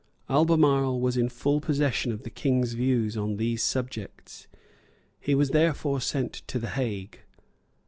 Albemarle was in full possession of the King's views on these subjects. He was therefore sent to the Hague.